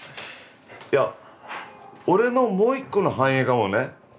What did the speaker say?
いや俺のもう一個の反映かもね。